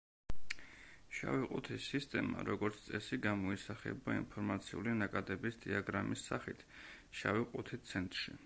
შავი ყუთის სისტემა, როგორც წესი გამოისახება ინფორმაციული ნაკადების დიაგრამის სახით, შავი ყუთით ცენტრში.